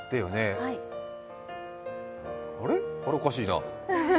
あれっ、おかしいな。